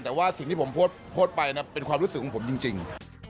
แต่ว่าสิ่งที่ผมโพสต์ไปนะเป็นความรู้สึกของผมจริง